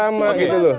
sama gitu loh